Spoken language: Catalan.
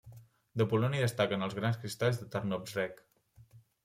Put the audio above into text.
De Polònia destaquen els grans cristalls de Tarnobrzeg.